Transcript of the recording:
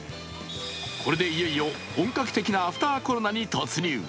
これでいよいよ本格的なアフターコロナに突入。